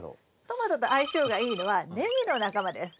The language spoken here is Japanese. トマトと相性がいいのはネギの仲間です。